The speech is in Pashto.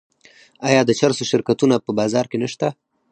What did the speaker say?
آیا د چرسو شرکتونه په بازار کې نشته؟